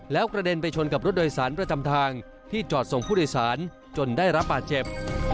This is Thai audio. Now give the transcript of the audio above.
แล้วกระเด็นไปชนกับรถโดยสารประจำทางที่จอดส่งผู้โดยสารจนได้รับบาดเจ็บ